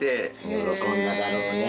喜んだだろうね。